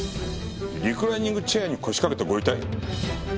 リクライニングチェアに腰掛けたご遺体？